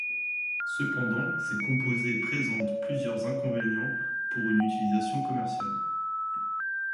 Cependant, ces composés présentent plusieurs inconvénients pour une utilisation commerciale.